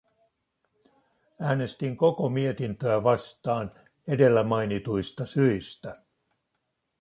Äänestin koko mietintöä vastaan edellä mainituista syistä.